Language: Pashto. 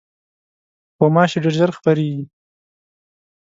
غوماشې ډېر ژر خپرېږي.